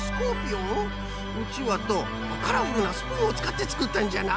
うちわとあっカラフルなスプーンをつかってつくったんじゃな。